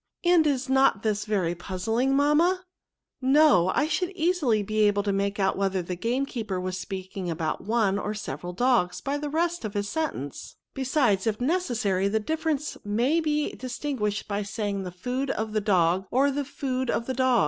" And is not this very puzzling, mamma ?"'* No; I should easily be able to make out whether the gamekeeper was speaking about one or several dogs by the rest of his sentence," 144 NOUNS. «< Besides, if neoessaiy, the difference may be distiiyiidied bj saying the food of the dogi or the food of the d<^."